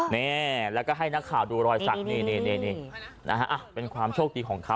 นี่แล้วก็ให้นักข่าวดูรอยสักนี่นะฮะเป็นความโชคดีของเขา